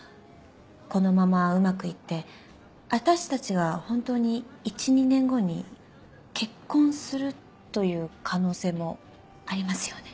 このままうまくいって私たちが本当に１２年後に結婚するという可能性もありますよね？